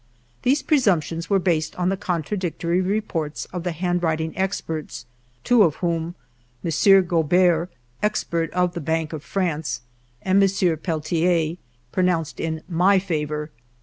These presumptions were based on the contradictory reports of the handwriting experts, two of whom — M. Gobert, expert of the Bank of France, and M. Pelletier — pronounced in my favor.